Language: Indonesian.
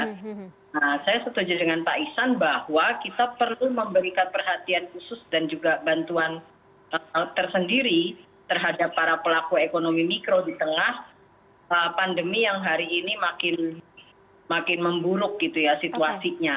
nah saya setuju dengan pak isan bahwa kita perlu memberikan perhatian khusus dan juga bantuan tersendiri terhadap para pelaku ekonomi mikro di tengah pandemi yang hari ini makin memburuk gitu ya situasinya